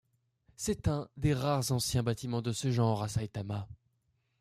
C'est un des rares anciens bâtiments de ce genre à Saitama.